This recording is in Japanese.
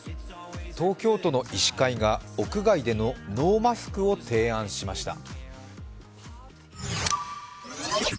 東京都の医師会が屋外でのノーマスクを提案しました。